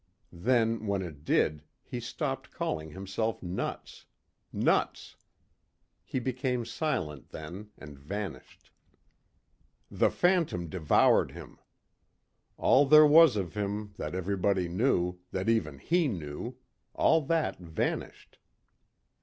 Then when it did, he stopped calling himself nuts ... nuts. He became silent then and vanished. The phantom devoured him. All there was of him that everybody knew, that even he knew, all that vanished.